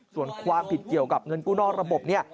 ส่วนความผิดเกี่ยวกับเงินกู้นอกระบบเนี่ย